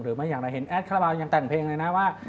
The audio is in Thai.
หรือมันอย่างไรเห็นแอดคาระบาลตังค์แต่งเพลงเลยนะว่า